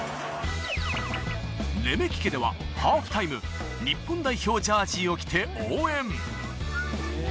レメキ家ではハーフタイム、日本代表ジャージーを着て応援。